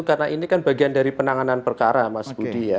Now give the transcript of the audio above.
karena ini kan bagian dari penanganan perkara mas budi